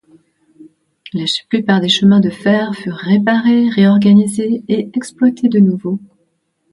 La plupart des chemins de fer furent réparés, réorganisés et exploités de nouveau.